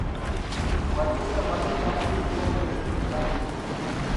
ورزش د بدن داخلي قوت ته استحکام ورکوي.